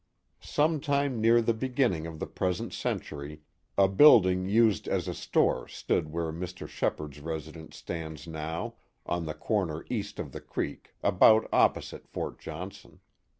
Sometime near the beginning of the present century a building used as a store stood where Mr. Shepard's residence stands now, on the corner east of the creek, about opposite Fort Johnson.